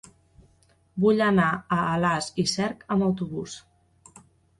Vull anar a Alàs i Cerc amb autobús.